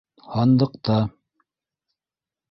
Һандыҡта...